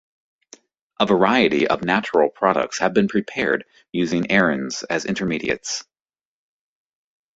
A variety of natural products have been prepared using arynes as intermediates.